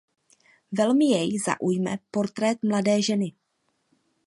Velmi jej zaujme portrét mladé ženy.